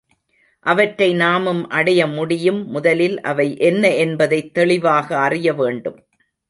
அவற்றை நாமும் அடைய முடியும் முதலில் அவை என்ன என்பதைத் தெளிவாக அறிய வேண்டும்.